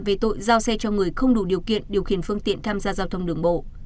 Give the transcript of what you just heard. về tội giao xe cho người không đủ điều kiện điều khiển phương tiện tham gia giao thông đường bộ